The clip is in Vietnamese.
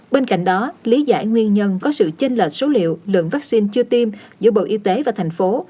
bên cạnh đó lý giải nguyên nhân có sự chinh lệch số liệu lượng vaccine chưa tiêm giữa bộ y tế và thành phố